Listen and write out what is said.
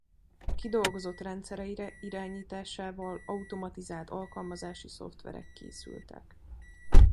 Kidolgozott rendszereire irányításával automatizált alkalmazási szoftverek készültek.